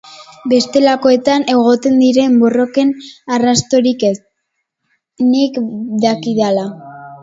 Bestelakoetan egoten diren borroken arrastorik ez, nik dakidala.